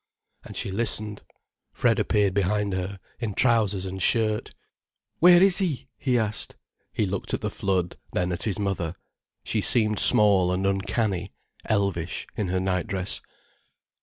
And she listened. Fred appeared behind her, in trousers and shirt. "Where is he?" he asked. He looked at the flood, then at his mother. She seemed small and uncanny, elvish, in her nightdress.